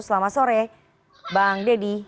selamat sore bang dedy